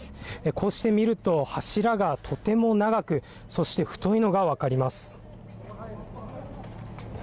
こうして見ると、柱がとても長くそして太いのが分かります。